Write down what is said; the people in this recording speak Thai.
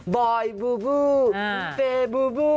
บอยบูบูเตบูบู